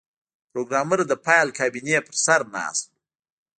پروګرامر د فایل کابینې په سر ناست و